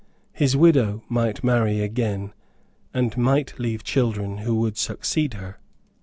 His widow might marry again, and might leave children who would succeed her.